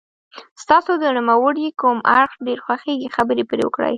ستاسو د نوموړي کوم اړخ ډېر خوښیږي خبرې پرې وکړئ.